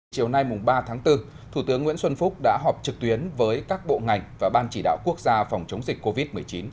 chiều nay ba tháng bốn thủ tướng nguyễn xuân phúc đã họp trực tuyến với các bộ ngành và ban chỉ đạo quốc gia phòng chống dịch covid một mươi chín